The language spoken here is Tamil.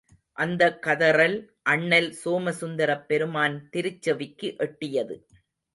அந்தக் கதறல் அண்ணல் சோமசுந்தரப் பெருமான் திருச் செவிக்கு எட்டியது.